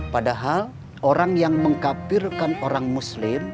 padahal orang yang mengkapirkan orang muslim